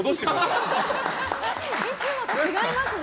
いつもと違いますね。